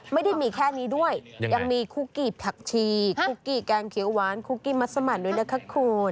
ไม่ได้มีแค่นี้ด้วยยังมีคุกกี้ผักชีคุกกี้แกงเขียวหวานคุกกี้มัสมันด้วยนะคะคุณ